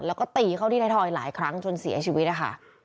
แล้วก็ตีเข้าที่ไทยทอยหลายครั้งจนเสียชีวิตนะคะ